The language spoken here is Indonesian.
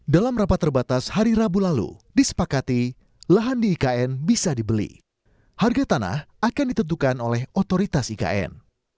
dalam rapat terbatas hari rabu lalu disepakati lahan di ikn bisa dibeli harga tanah akan ditentukan oleh otoritas ikn